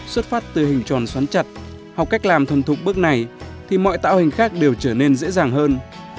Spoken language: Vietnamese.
xuất phát từ hình tròn xoắn chặt học cách làm thân thục bước này thì mọi tạo hình khác đều trở nên dễ dàng hơn